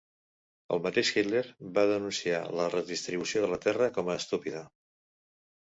El mateix Hitler va denunciar la redistribució de la terra com a "estúpida".